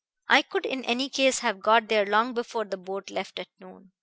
I could in any case have got there long before the boat left at noon.